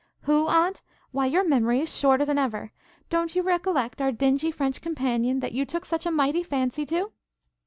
'Who, Aunt? Why your memory is shorter than ever! Don't you recollect our dingy French companion, that you took such a mighty fancy to?'